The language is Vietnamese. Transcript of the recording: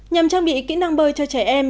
nhằm trang bị kỹ năng bơi cho trẻ em